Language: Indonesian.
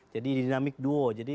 jadi dinamik duo